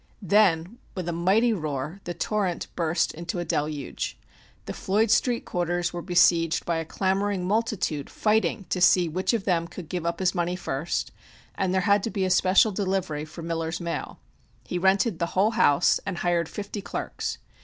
Then with a mighty roar the torrent burst into a deluge. The Floyd Street quarters were besieged by a clamoring multitude fighting to see which of them could give up his money first, and there had to be a special delivery for Miller's mail. He rented the whole house and hired fifty clerks.